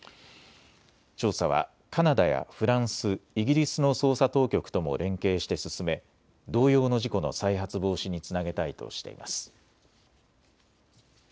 調査はカナダやフランス、イギリスの捜査当局とも連携して進め同様の事故の再発防止につなげたいとしています。